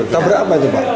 tabrak apa itu pak